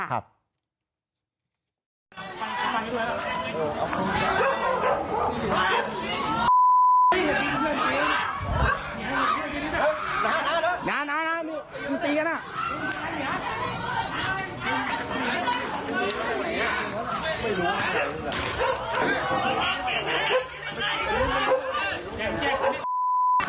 สวัสดีครับคุณผู้ชาย